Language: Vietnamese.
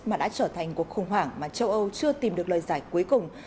mà đã trở thành cuộc khủng hoảng mà châu âu chưa tìm được lời giải cuối cùng